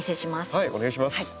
はいお願いします。